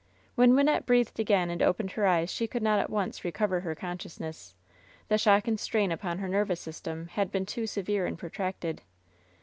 When Wynnette breathed again and opened her eyes she could not at once recover her consciousness. The shock and strain upon her nervous system had been too severe and protracted.